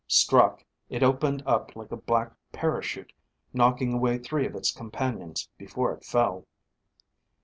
Struck, it opened up like a black parachute, knocking away three of its companions, before it fell.